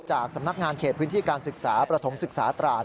จากสำนักงานเขตพื้นที่การศึกษาประถมศึกษาตราด